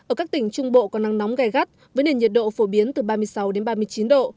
ở các tỉnh trung bộ có nắng nóng gai gắt với nền nhiệt độ phổ biến từ ba mươi sáu đến ba mươi chín độ